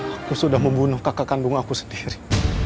aku sudah membunuh kakak kandung aku sendiri